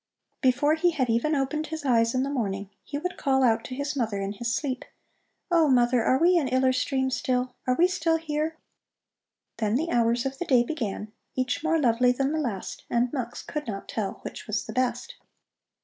Before he had even opened his eyes in the morning, he would call out to his mother in his sleep: "Oh, mother, are we in Iller Stream still? Are we still here?" Then the hours of the day began, each more lovely than the last, and Mux could not tell which was the best.